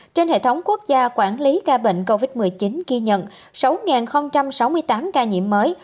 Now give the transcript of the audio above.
trên hệ thống quốc gia quản lý ca bệnh covid một mươi chín ghi nhận sáu sáu mươi tám ca nhiễm mới